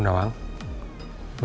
gunawang sebaiknya makan siang dulu